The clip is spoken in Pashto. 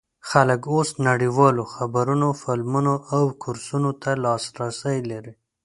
خلک اوس نړیوالو خبرونو، فلمونو او کورسونو ته لاسرسی لري.